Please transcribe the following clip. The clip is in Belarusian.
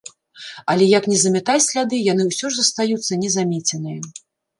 Але як не замятай сляды, яны ўсё ж застаюцца не замеценыя.